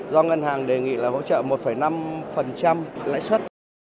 do ngân hàng đề nghị là hỗ trợ một năm lãi suất